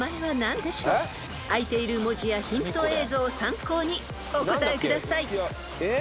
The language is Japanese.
［あいている文字やヒント映像を参考にお答えください］